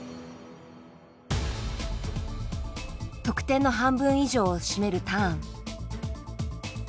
得点の半分以上を占めるターン。